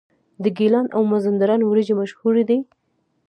د ګیلان او مازندران وریجې مشهورې دي.